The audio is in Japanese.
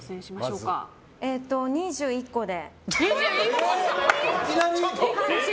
２１個で。